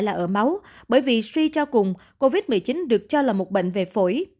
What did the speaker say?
là ở máu bởi vì suy cho cùng covid một mươi chín được cho là một bệnh về phổi